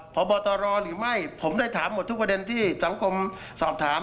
พบตรหรือไม่ผมได้ถามหมดทุกประเด็นที่สังคมสอบถาม